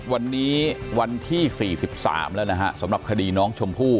วันนี้วันที่๔๓แล้วนะฮะสำหรับคดีน้องชมพู่